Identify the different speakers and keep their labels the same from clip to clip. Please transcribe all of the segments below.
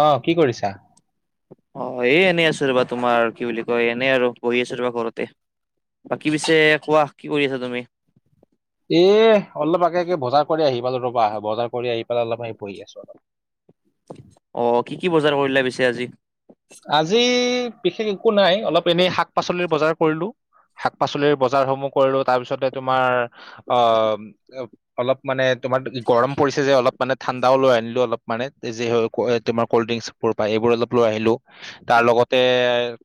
Speaker 1: অঁ, কি কৰিছা?
Speaker 2: অঁ, এ এনেই আছো ৰবা তোমাৰ কি বুলি কয় এনেই আৰু বহি আছো ৰবা ঘৰতে। বাকী পিছে কোৱা কি কৰি আছা তুমি?
Speaker 1: এ অলপ আগে আগে বজাৰ কৰি আহি পালো ৰবা বজাৰ কৰি আহি পেলাই অলপ আহি বহি আছো অলপ।
Speaker 2: অ কি কি বজাৰ কৰিলে পিছে আজি?
Speaker 1: আজি বিশেষ একো নাই অলপ এনেই শাক পাচলিৰ বজাৰ কৰিলো। শাক পাচলিৰ বজাৰসমূহ কৰিলো তাৰ পিছতে তোমাৰ আহ। অলপ মানে তোমাৰ গৰম পৰিছে যে অলপ। মানে ঠাণ্ডাও লৈ আনিলো অলপ মানে যি হয় এ তোমাৰ কল্ড্ৰিংকছ বোৰ পায় এইবোৰ অলপ লৈ আহিলো। তাৰ লগতে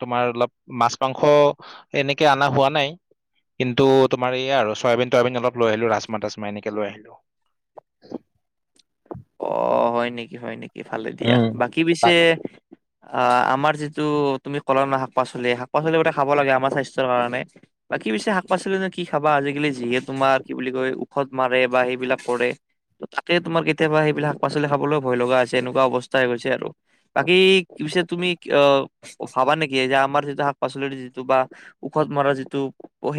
Speaker 1: তোমাৰ অলপ মাছ মাংস এনেকে আনা হোৱা নাই। কিন্তু তোমাৰ এইয়া আৰু চয়াবিন তয়াবিন অলপ লৈ আহিলো ৰাজমা তাচমা এনেকে লৈ আহিলো।
Speaker 2: অ হয় নেকি হয় নেকি ভালে দিয়া, বাকী
Speaker 1: উম
Speaker 2: পিছে আহ আমাৰ যিটো তুমি কলা ন শাক পাচলি, শাক পাচলি বোৰ তে খাব লাগে আমাৰ স্বাস্থ্যৰ কাৰণে। বাকী পিছে শাক পাচলিনো কি খাবা, আজিকালি যিহে তোমাৰ কি বুলি কয় ওষধ মাৰে বা সেইবিলাক কৰে। ত তাকে তোমাৰ কেতিয়াবা সেইবিলাক শাক পাচলি খাবলৈও ভয় লগা হৈছে এনেকুৱা অৱস্থা হৈ গৈছে আৰু। বাকী কি পিছে তুমি অহ ভাবা নেকি যে আমাৰ যিটো শাক পাচলিৰ যিটো বা ঔষধ মৰা যিটো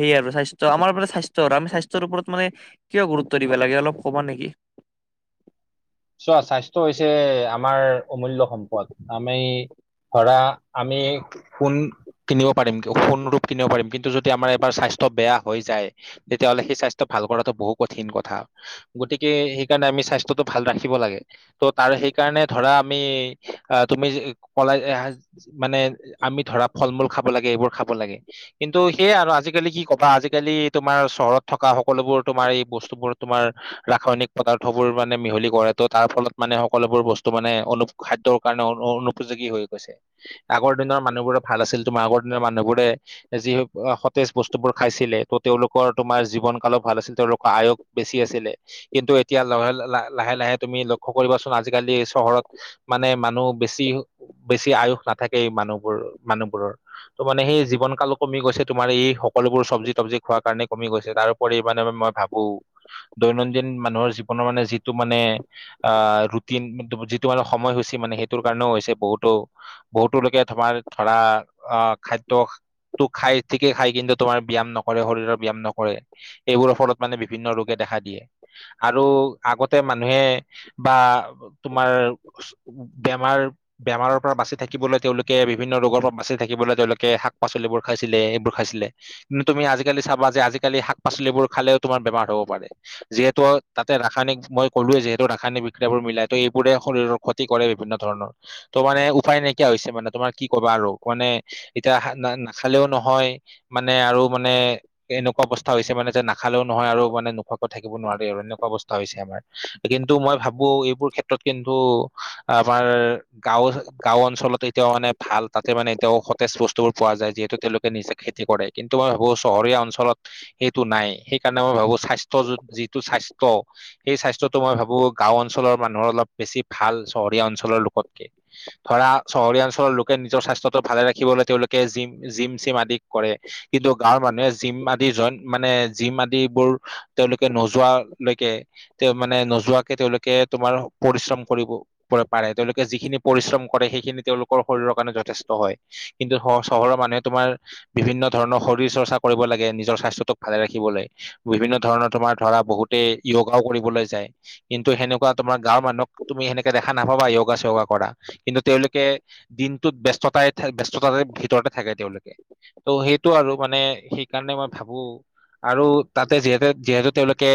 Speaker 2: সেই আৰু স্বাস্থ্য আমাৰ মানে স্বাস্থ্যৰ আমি স্বাস্থ্যৰ ওপৰত মানে কিয় গুৰুত্ব দিব লাগে অলপ কবা নেকি?
Speaker 1: চোৱা স্বাস্থ্য হৈছে আমাৰ অমূল্য সম্পদ আমি ধৰা আমি সোণ কিনিব পাৰিম, সোণ ৰূপ কিনিব পাৰিম, কিন্তু যদি আমাৰ এবাৰ স্বাস্থ্য বেয়া হৈ যায় তেতিয়া হ'লে সেই স্বাস্থ্য ভাল কৰাটো বহু কঠিন কথা, গতিকে সেইকাৰণে আমি স্বাস্থ্যটো ভাল ৰাখি কিব লাগে ত' তাৰ সেইকাৰণে ধৰা আমি আহ তুমি কলাই [inaudible] মানে আমি ধৰা ফল মূল খাব লাগে এইবোৰ খাব লাগে। কিন্তু সেইয়া আৰু আজিকালি কি কবা আজিকালি তোমাৰ চহৰত থকা সকলোবোৰ তোমাৰ এই বস্তুবোৰ তোমাৰ ৰাসায়নিক পদাৰ্থ বোৰ মানে মিহলি কৰে। ত' তাৰ ফলত মানে সকলোবোৰ বস্তু মানে অনু খাদ্যৰ কাৰণে অনুপযোগী হৈ গৈছে। আগৰ দিনৰ মানুহবোৰৰ ভাল আছিল তোমাৰ আগৰ দিনৰ মানুহবোৰে যি সতেজ বস্তুবোৰ খাইছিলে ত' তেওঁলোকৰ তোমাৰ জীৱন কালো ভাল আছিল, তেওঁলোকৰ আয়োগ বেছি আছিলে, কিন্তু এতিয়া ল লাহে লাহে তুমি লক্ষ্য কৰিবাচোন আজিকালি চহৰত মানে মানুহ বেছি বেছি আয়ুস নাথাকেই মানুহবোৰ মানুহবোৰৰ। ত' মানে সেই জীৱন কালো কমি গৈছে তোমাৰ এই সকলোবোৰ চব্জি তবজি খোৱা কাৰণে কমি গৈছে, তাৰ পৰি মানে মই ভাবো, দৈনন্দিন মানুহৰ জীৱনৰ মানে যিটো মানে আহ ৰুটিন যিটো মানে সময়সূচী মানে সেইটোৰ কাৰণেও হৈছে বহুতো বহুতো লোকে তোমাৰ ধৰা অ খাদ্য তো খায় ঠিকে খায় কিন্তু তোমাৰ ব্যায়াম নকৰে শৰীৰৰ ব্যায় নকৰে। এইবোৰৰ ফলত মানে বিভিন্ন ৰোগে দেখা দিয়ে। আৰু আগতে মানুহে বা তোমাৰ বেমাৰ বেমাৰৰ পৰা বাচি থাকিবলে তেওঁলোকে বিভিন্ন ৰোগৰ পৰা বাচি থাকিবলে তেওঁলোকে শাক পাচলিবোৰ খাইছিলে এইবোৰ খাইছিলে। কিন্তু তুমি আজিকালি চাবা যে আজিকালি শাক পাচলিবোৰ খালেও তোমাৰ বেমাৰ হ'ব পাৰে। যিহেতু তাতে ৰাসায়নিক মই ক'লোৱে যিহেতু ৰাসায়নিক বিক্ৰাবোৰ মিলাই ত' এইবোৰে শৰীৰৰ ক্ষতি কৰে বিভিন্ন ধৰণৰ। ত' মানে উপায় নাইকিয়া হৈছে মানে তোমাৰ কি কবা আৰু মানে এতিয়া না নাখালেও নহয় মানে আৰু মানে এনেকুৱা অৱস্থা হৈছে মানে যে নাখালেও নহয় আৰু মানে নোখোৱাকৈ থাকিব নোৱাৰে আৰু এনেকুৱা অৱস্থা হৈছে আমাৰ। কিন্তু মই ভাবো এইবোৰ ক্ষেত্ৰত কিন্তু আমাৰ গাঁও গাঁও অঞ্চলত এতিয়াও মানে ভাল, তাতে মানে এতিয়াও সতেজ বস্তুবোৰ পোৱা যায় যিহেতু তেওঁলোকে নিজে খেতি কৰে। কিন্তু মই ভাবো চহৰীয়া অঞ্চলত সেইটো নাই, সেইকাৰণে মই ভাবো স্বাস্থ্য যিটো স্বাস্থ্য সেই স্বাস্থ্য টো মই ভাবো গাঁও অঞ্চলৰ মানুহৰ অলপ বেছি ভাল চহৰীয়া অঞ্চলৰ লোকতকে। ধৰা চহৰীয়া অঞ্চলৰ লোকে নিজৰ স্বাস্থ্যটো ভালে ৰাখিবলে তেওঁলোকে জিম জিম চিম আদি কৰে। কিন্তু গাঁৱৰ মানুহে জিম আদি জইন মানে জিম আদিবোৰ তেওঁলোকে নোযোৱালৈকে তেওঁ মানে নোযোৱাকে তেওঁলোকে তোমাৰ পৰিশ্ৰম কৰিব। পাৰে। তেওঁলোকে যিখিনি পৰিশ্ৰম কৰে সেইখিনি তেওঁলোকৰ শৰীৰৰ কাৰণে যথেষ্ট হয়। কিন্তু হ চহৰৰ মানুহে তোমাৰ বিভিন্ন ধৰণৰ শৰীৰ চৰ্চা কৰিব লাগে নিজৰ স্বাস্থ্যটোক ভালে ৰাখিবলে। বিভিন্ন ধৰণৰ তোমাৰ ধৰা বহুতে যগাও কৰিবলে যায়। কিন্তু সেনেকুৱা তোমাৰ গাঁৱৰ মানুহক তুমি সেনেকে দেখা নাপাবা যগা চিযগা কৰা। কিন্তু তেওঁলোকে দিনটোত ব্যস্ততাই ব্যস্ততাৰে ভিতৰতে থাকে তেওঁলোকে। ত' সেইটো আৰু মানে সেইকাৰণে মই ভাবোঁ আৰু তাতে যিহেতু যিহেতু তেওঁলোকে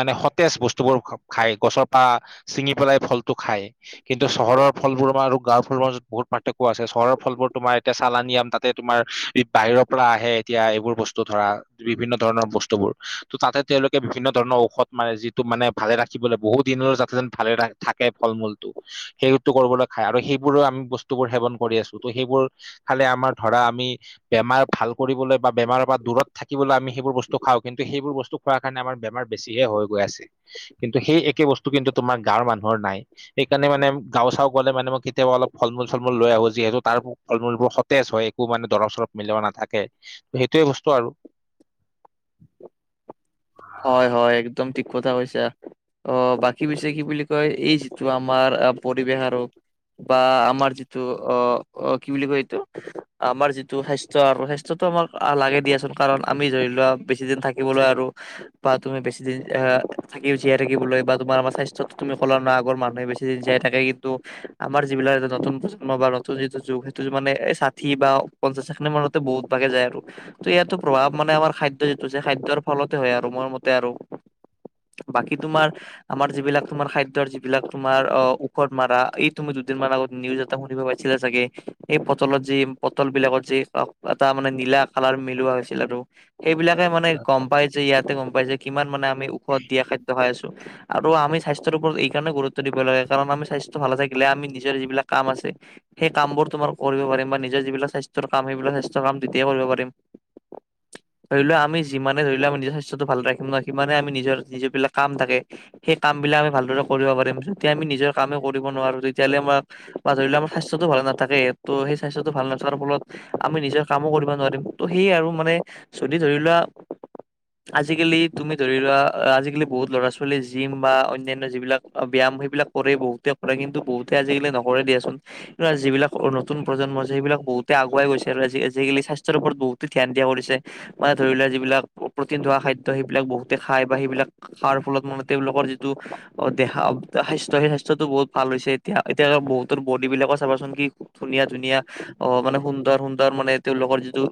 Speaker 1: মানে সতেজ বস্তু তুবোৰো খ খায় গছৰ পা ছিঙি পেলাই ফলটো খায়। কিন্তু চহৰৰ ফলবোৰ আমাৰ আৰু গাঁৱৰ ফলবোৰ মাজত বহুত পাৰ্থক্য আছে। চহৰৰ ফলবোৰ তোমাৰ এতিয়া চালানি আম তাতে তোমাৰ বাহিৰৰ পৰা আহে এতিয়া এইবোৰ বস্তু ধৰা। বিভিন্ন ধৰণৰ বস্তুবোৰ। ত' তাতে তেওঁলোকে বিভিন্ন ধৰণৰ ঔষধ মানে যি টো মানে ভালে ৰাখিবলৈ বহুত দিনৰ যাতে যেন ভালে থাকে ফল মূলটো সেইটো কৰিবলৈ খাই আৰু সেইবোৰো আমি বস্তুবোৰ সেৱন কৰি আছোঁ। ত' সেইবোৰ খালে আমাৰ ধৰা আমি বেমাৰ ভাল কৰিবলৈ বা বেমাৰৰ পৰা দূৰত থাকিবলৈ আমি সেইবোৰ বস্তু খাওঁ। কিন্তু সেইবোৰ বস্তু খোৱা কাৰণে আমাৰ বেমাৰ বেছিহে হৈ গৈ আছে। কিন্তু সেই একে বস্তু কিন্তু তোমাৰ গাঁৱৰ মানুহৰ নাই। সেইকাৰণে মানে গাওঁ চাওঁ গ'লে মানে মই কেতিয়াবা অলপ ফলমূল চলমূল লৈ আহো যিহেতু তাৰ ফল মূলবোৰ স সতেজ হয় একো মানে দৰৱ চৰৱ মিলোৱা নাথাকে সেইটোৱে বস্তু আৰু
Speaker 2: হয় হয় একদম ঠিক কথা কৈছা। অ বাকী পিছে কি বুলি কয় এই যিটো আমাৰ আ পৰিৱেশ আৰু বা আমাৰ যিটো অ অ কি বুলি কয় এইটো আমাৰ যিটো স্বাস্থ্য আৰু স্বাস্থ্যটো আমাক লাগে দিয়াচোন কাৰণ আমি ধৰি লোৱা বেছি দিন থাকিবলৈ আৰু বা তুমি বেছিদিন এ থাকিব জীয়াই থাকিবলৈ বা তোমাৰ আমাৰ স্বাস্থ্যটো তুমি ক'লা না আগৰ মানুহে বেছি জীয়াই থাকে কিন্তু। আমাৰ যিবিলাক এটা নতুন প্ৰজন্ম বা নতুন যিটো যুগ সেইটো মানে এই ষাঠি বা পঞ্চাশ ষাঠি মানতে বহুত ভাগে যায় আৰু, ত' ইয়াতো প্ৰভাৱ মানে আমাৰ খাদ্য যিটো যে খাদ্যৰ ফলতে হয় আৰু মোৰ মতে আৰু বাকী তোমাৰ আমাৰ যিবিলাক তোমাৰ খাদ্যৰ যিবিলাক তোমাৰ অ ঔষধ মাৰা এই তুমি দুদিনমান আগত নিউজ এটা শুনিব পাইছিলা চাগে এই পটলত যে পটল বিলাকত যে এটা মানে নীলা কালাৰ মিলোৱা হৈছিল আৰু। সেইবিলাকে মানে গম পাই যে ইয়াতে গম পাই যে কিমান মানে আমি ঔষধ দিয়া খাদ্য খাই আছোঁ। আৰু আমি স্বাস্থ্যৰ ওপৰত এই কাৰণে গুৰুত্ব দিব লাগে কাৰণ আমি স্বাস্থ্য ভালে থাকিলে আমি নিজৰ যিবিলাক কাম আছে সেই কামবোৰ তোমাৰ কৰিব পাৰিম বা নিজৰ যিবিলাক স্বাস্থ্যৰ কাম সেইবিলাক স্বাস্থ্যৰ কাম তেতিয়াই কৰিব পাৰিম। ধৰি লোৱা আমি যিমানে ধৰি লোৱা আমি নিজৰ স্বাস্থ স্বাস্থ্যটো ভালে ৰাখিম ন সিমানে আমি নিজৰ যিবিলাক কাম থাকে। সেই কামবিলাক আমি ভালদৰে কৰিব পাৰিম। যেতিয়া আমি নিজৰ কামে কৰিব নোৱাৰোঁ তেতিয়াহ'লে আমাক বা ধৰি লোৱা আমাৰ স্বাস্থ্যটো ভালে নাথাকে ত' সেই স্বাস্থ্যটো ভাল নথকাৰ ফলত আমি নিজৰ কামো কৰিব নোৱাৰিম। ত' সেয়ে আৰু মানে যদি ধৰি লোৱা আজিকালি তুমি ধৰি লোৱা আজিকালি বহুত ল'ৰা ছোৱালীয়ে জিম বা অন্যান্য যিবিলাক ব্যায়াম সেইবিলাক কৰে বহুতে কৰে কিন্তু বহুতে আজিকালি নকৰে দিয়াচোন। যিবিলাক নতুন প্ৰজন্ম আছে সেইবিলাক বহুতে আগুৱাই গৈছে আৰু আজি আজিকালি স্বাস্থ্যৰ ওপৰত বহুতে ধ্যান দিয়া কৰিছে। মানে ধৰি লোৱা যিবিলাক প্ৰ'টিন থকা খাদ্য সেইবিলাক বহুতে খাই বা সেইবিলাক খাৱাৰ ফলত মানে তেওঁলোকৰ যিটো অ দেহা স্বাস্থ্য সেই স্বাস্থ্যটো বহুত ভাল হৈছে। এতিয়া এতিয়া ধৰা বহুতৰ বডী বিলাকক চাবাচোন কি ধুনীয়া ধুনীয়া অ মানে সুন্দৰ সুন্দৰ মানে তেওঁলোকৰ যিটো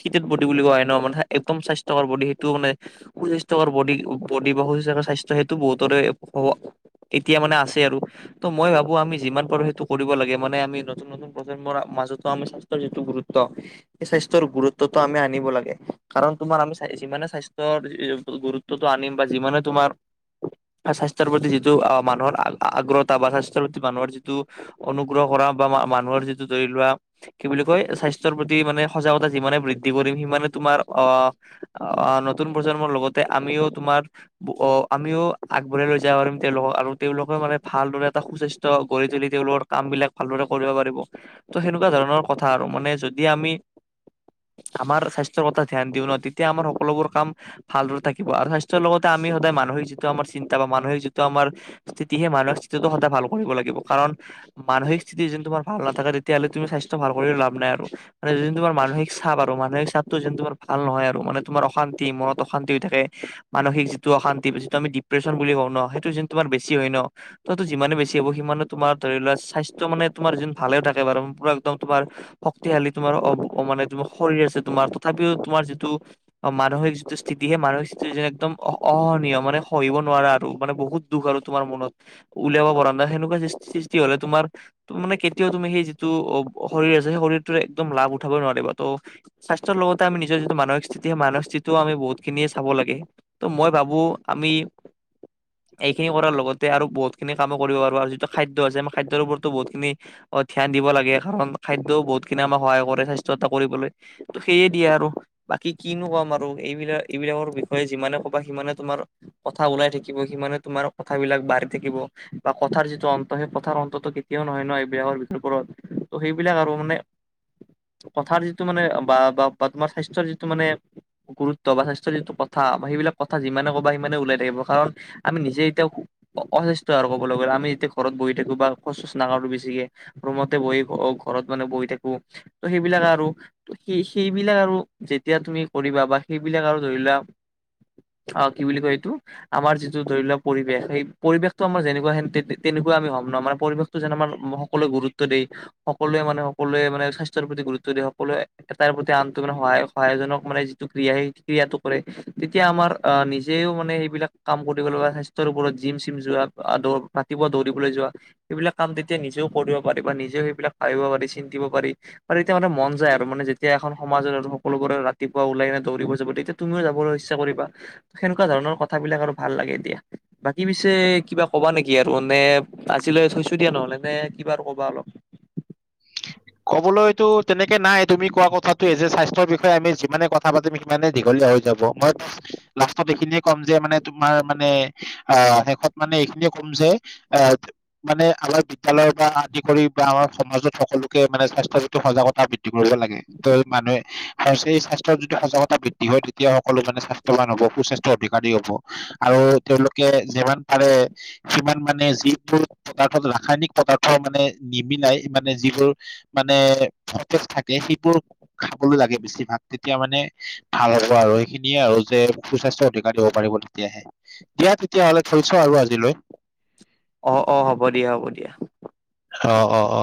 Speaker 2: শীত বদি বুলি কোৱা হয় ন মানে একদম চাইস্থ, স ব সেইটো মানে সুস্বাস্থ্যৰ ব বডি বা সুস্বাস্থ্য হয় সেইটো বহুতৰে হ, এতিয়া মানে আছে আৰু ত মই ভাবো আমি যিমান পাৰো সেইটো কৰিব লাগে মানে আমি নতুন, নতুন প্ৰজন্মৰ মাজতো আমি স্বাস্থ্যৰ যিটো গুৰুত্ব, সেই স্বাস্থ্যৰ গুৰুত্বটো আমি আনিব লাগে কাৰণ তোমাৰ আমি, যিমানে স্বাস্থ্য গুৰুত্বটো আনিম বা যিমানে তোমাৰ, স্বাস্থ্যৰ প্ৰতি যিটো মানুহৰ আগ্ৰতা বা স্বাস্থ্যৰ প্ৰতি মানুহৰ যিটো, অনুগ্ৰহ কৰা বা মানুহৰ যিটো ধৰি লোৱা। কি বুলি কয় স্বাস্থ্যৰ প্ৰতি মানে সজাগতা যিমানে বৃদ্ধি কৰিম সিমানে তোমাৰ আহ অ নতুন প্ৰজন্মৰ লগতে আমিও তোমাৰ। অ আমিও আগবঢ়াই লৈ যাওঁ পাৰিম তেওঁলোক আৰু তেওঁলোকে মানে ভালদৰে এটা সুস্বাস্থ্য গঢ়ি তুলি তেওঁলোকৰ। কাম বিলাক ভালদৰে কৰিব পাৰিব ত সেনেকুৱা ধৰণৰ কথা আৰু মানে যদি আমি। আমাৰ স্বাস্থ্যৰ কথা ধ্যান দিও ন তেতিয়া আমাৰ সকলোবোৰ কাম। ভালদৰে থাকিব আৰু স্বাস্থ্যৰ লগতে আমি সদায় মানসিক যিটো আমাৰ চিন্তা বা মানসিক যিটো আমাৰ। স্থিতিহে মানুহৰ স্থিতিটো সদায় ভাল কৰিব লাগিব কাৰণ, মানসিক স্থিতি যোনটো যদি তোমাৰ ভাল নাথাকে তেতিয়াহলে তুমি স্বাস্থ্য ভাল কৰিও লাভ নাই আৰু মানে যদি তোমাৰ মানসিক চাপ আৰু মানসিক চাপটো যদি তোমাৰ ভাল নহয় আৰু মানে তোমাৰ অশান্তি মনত অশান্তি হৈ থাকে। মানসিক যিটো অশান্তি যিটো আমি ডিপ্ৰেশচন বুলি কওঁ ন সেইটো যদি তুমাৰ বেছি হয় ন। তইতো যিমানে বেছি হব সিমানে তোমাৰ ধৰি লোৱা স্বাস্থ্য মানে তোমাৰ যোন ভালেও থাকে বাৰু পৰা একদম তোমাৰ, শক্তিশালী তোমাৰ অ মানে তোমাৰ শৰীৰ আছে তোমাৰ তথাপিও তোমাৰ যিটো। অ মানসিক যিটো স্থিতি সেই মানসিক স্থিতিটো যেনে একদম অসহনীয় মানে সহিব নোৱাৰা আৰু মানে বহুত, দুখ আৰু তোমাৰ মনত উলিয়াব পৰা নাই সেনেকুৱা সৃষ্টি হলে তোমাৰ। মানে কেতিয়াও তুমি সেই যিটো অ শৰীৰ আছ সেই শৰীৰটো একদম লাভ উঠাবই নোৱাৰিবা ত, স্বাস্থ্য লগতে আমি নিজৰ যটো মানসিক স্থিতি মানস স্থিতিও আমি বহুতখিনিয়ে চাব লাগে ত' মই ভাবো আমি, এইখিনি কৰাৰ লগতে আৰু বহুত খিনি কামো কৰিব পাৰো আৰু যিটো খাদ্য আছে আমি খাদ্যৰ ওপৰতো বহুত খিনি। অ ধ্যান দিব লাগে কাৰণ খাদ্যও বহুতখিনি আমাক সহায় কৰে স্বাস্থ্য এটা কৰিবলৈ। ত সেইয়ে দিয়ে আৰু বাকী কিনো কম আৰু এইবিলাক এইবিলাকৰ বিষয়ে যিমানে ক'বা সিমানে তোমাৰ। কথা ওলাই থাকিব সিমানে তোমাৰ কথাবিলাক বাঢ়ি থাকিব। বা কথাৰ যিটো অন্ত সেই কথাৰ অন্ততটো কেতিয়াও নহয় ন এইবিলাকৰ ওপৰত, ত সেইবিলাক আৰু মানে কথাৰ যিটো মানে বা বা বা তোমাৰ স্বাস্থ্যৰ যিটো, মানে গুৰুত্ব বা স্বাস্থ্যৰ যিটো কথা বা সেইবিলাক কথা যিমানে ক'বা সিমানে ওলাই থাকিব কাৰণ, আমি নিজে এতিয়া অসুস্থ আৰু ক'বলৈ গ'লে আমি যেতিয়া ঘৰত বহি থাকো বা খোচ চোচ নাকাঢ়ো বেছিকে। ৰুমতে বহি ঘৰত মানে বহি থাকো ত সেইবিলাক আৰু সেই সেইবিলাক আৰু যেতিয়া তুমি কৰিবা বা সেইবিলাক আৰু ধৰি লোৱা অ কি বুলি কয় এইটো, আমাৰ যিটো ধৰি লোৱাক পৰিৱেশ সেই পৰিৱেশটো আমাৰ যেনেকুৱা তেনেকুৱা আমি হ'ম ন আমাৰ পৰিৱেশ, যেন আমাৰ সকলোৱে গুৰুত্ব দিয়ে। সকলোৱে মানে সকলোৱে মানে স্বাস্থ্যৰ প্ৰতি গুৰুত্ব দিয়ে সকলোৱে এটা প্ৰতি আনটোৱে মানে সহায়, সাহায় জনক মানে যিটো ক্ৰিয়া সেই ক্ৰিয়াটো কৰে। তেতিয়া আমাৰ আহ নিজেও মানে সেইবিলাক কাম কৰিবলে বা স্বাস্থ্যৰ ওপৰত জিম চিম যোৱা আদৰ। ৰাতিপুৱা দৌৰিবলৈ যোৱা সবিলাক কাম তেতিয়া নিজেও কৰিব পাৰি বা নিজেও সেইবিলাক ভাবিব পাৰি চিন্তিব পাৰি। আৰু এতিয়া মানে মন যায় আৰু মানে যেতিয়া এখন সমাজৰ আৰু সকলোকৰে ৰাতিপুৱা ওলাই নে দৌৰিব যাব তেতিয়া তুমিও যাবলৈ ইচ্ছা কৰিবা। সেনেকুৱা ধৰণৰ কথাবিলাক আৰু ভাল লাগে দিয়া। বাকী পিছে কিবা কবা নেকি আৰু নে আজিলৈ থৈছো দিয়া নহলে নে কিবা আৰু কবা অলপ।
Speaker 1: কবলৈতো তেনেকে নাই তুমি কোৱা কথাটোয়ে যে স্বাস্থ্যৰ বিষয়ে আমি যিমানে কথা পাতিম মানে দীঘলীয়া হৈ যাব মই লাষ্টত এইখিনিয়ে ক'ম যে মানে তোমাৰ মানে। আহ শেষত মানে এইখিনিয়ে কম যে এ। মানে আমাৰ বিদ্যালয়ৰ পৰা আদি কৰি বা আমাৰ সমাজত। সকলোকে মানে স্বাস্থ্য প্ৰতি সজাগতা বৃদ্ধি কৰিব লাগে ত মানুহে। আৰু স্বাস্থ্যত যদি সজাগতা বৃদ্ধি হয় তেতিয়া সকলো মানে স্বাস্থ্যৱান হ'ব সু স্বাস্থ্য অধিকাৰী হ'ব। আৰু তেওঁলোকে যিমান পাৰে। সিমান মানে যিবোৰ পদাৰ্থত ৰাসায়নিক পদাৰ্থ মানে নিমিলাই মানে যিবোৰ। মানে সতেজ থাকে সেইবোৰ খাবলৈ লাগে বেছিভাগ তেতিয়া মানে। ভাল হ'ব আৰু সেইখিনিয়ে আৰু যে সুস্বাস্থ্যৰ অধিকাৰ দিব পাৰিব তেতিয়াহে। দিয়া তেতিয়াহ'লে থৈচো আৰু আজিলৈ।
Speaker 2: অ অ হ'ব দিয়া হ'ব দিয়া।
Speaker 1: অ অ অ।